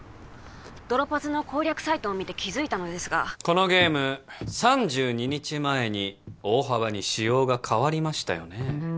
ドロパズの攻略サイトを見て気づいたのですがこのゲーム３２日前に大幅に仕様が変わりましたよね